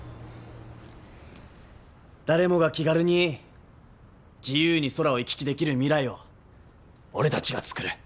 誰もが気軽に自由に空を行き来できる未来を俺たちが作る。